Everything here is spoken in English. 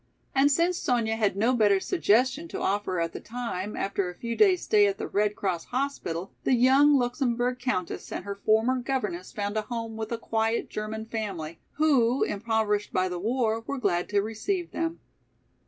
And since Sonya had no better suggestion to offer at the time, after a few days' stay at the Red Cross hospital, the young Luxemburg Countess and her former governess found a home with a quiet German family, who, impoverished by the war, were glad to receive them.